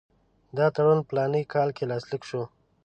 دا تړون په فلاني کال کې لاسلیک شو.